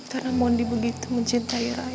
karena mondi begitu mencintai raya